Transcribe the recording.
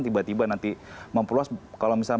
tiba tiba nanti memperluas kalau misalnya